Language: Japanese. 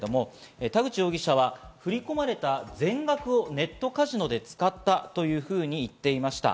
田口容疑者は振り込まれた全額をネットカジノで使ったというふうに言っていました。